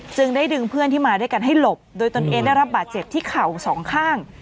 จึงได้ดึงเพื่อนที่มาด้วยกันให้หลบโดยตนเองได้รับบาดเจ็บที่เข่าสองข้าง